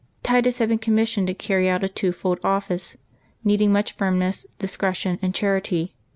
Titus had been commissioned to carr}^ out a twofold office needing much firmness, discretion, and charity.